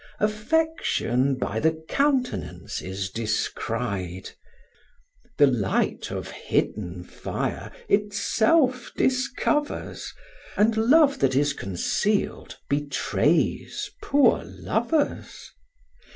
Affection by the countenance is descried; The light of hidden fire itself discovers, And love that is conceal'd betrays poor lovers.